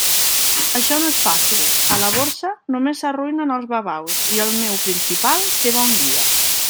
Això no és fàcil; a la Borsa només s'arruïnen els babaus, i el meu principal té bon guia.